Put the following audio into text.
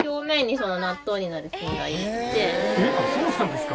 えっそうなんですか！